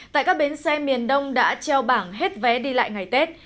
tại các bến xe miền đông đã treo bảng hết vé đi lại ngày tết